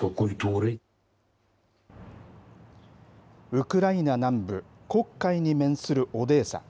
ウクライナ南部、黒海に面するオデーサ。